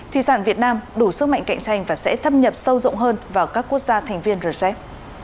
thủy sản việt nam đủ sức mạnh cạnh tranh và sẽ thâm nhập sâu rộng hơn vào các quốc gia thành viên rcep